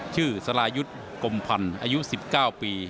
สรายุทธ์กรมพันธ์อายุ๑๙ปี